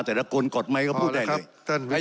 แต่ละคนกดไหมก็พูดได้เลย